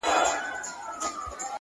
څوک ده چي راګوري دا و چاته مخامخ يمه;